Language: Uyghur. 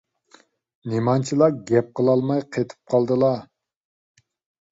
نېمانچىلا گەپ قىلالماي قېتىپ قالدىلا؟